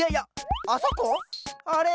あれ？